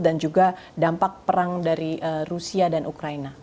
dan juga dampak perang dari rusia dan ukraina